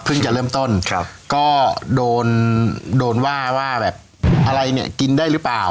จะเริ่มต้นครับก็โดนโดนว่าว่าแบบอะไรเนี่ยกินได้หรือเปล่า